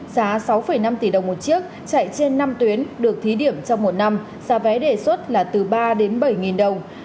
giá sáu năm tỷ đồng một chiếc chạy trên năm tuyến được thí điểm trong một năm giá vé đề xuất là từ ba đến bảy đồng